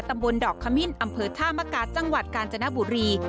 ตำบลดอกขมิ้นอำเภอท่ามกาจังหวัดกาญจนบุรี